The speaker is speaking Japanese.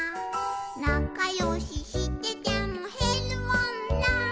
「なかよししててもへるもんな」